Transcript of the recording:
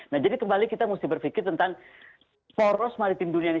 nah jadi kembali kita mesti berpikir tentang poros maritim dunia ini